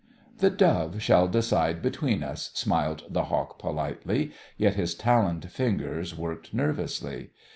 "The Dove shall decide between us," smiled the Hawk politely, yet his taloned fingers working nervously.